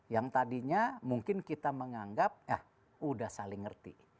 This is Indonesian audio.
yang tadinya mungkin kita menganggap ya sudah saling ngerti